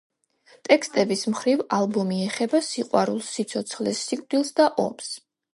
ტექსტების მხრივ, ალბომი ეხება სიყვარულს, სიცოცხლეს, სიკვდილს და ომს.